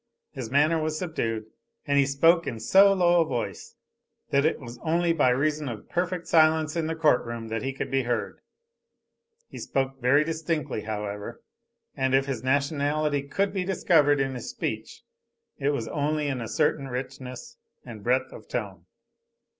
His manner was subdued, and he spoke in so low a voice that it was only by reason of perfect silence in the court room that he could be heard. He spoke very distinctly, however, and if his nationality could be discovered in his speech it was only in a certain richness and breadth of tone.